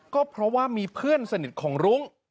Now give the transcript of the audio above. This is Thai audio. ก็เพราะว่ามีเพื่อนสนิทของรุ้ง